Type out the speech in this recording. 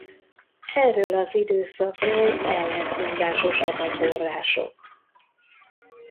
Erről az időszakról ellentmondásosak a források.